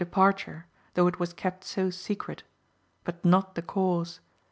departure, though it was kept so secret, but not the caiise.